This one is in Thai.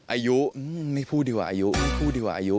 อายุไม่พูดดีว่าอายุ